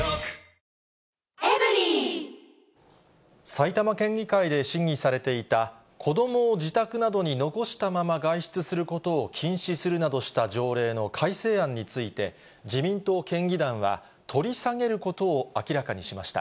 埼玉県議会で審議されていた、子どもを自宅などに残したまま外出することを禁止するなどした条例の改正案について、自民党県議団は取り下げることを明らかにしました。